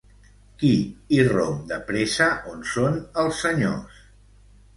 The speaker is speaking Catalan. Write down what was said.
Qui irromp de pressa on són els senyors?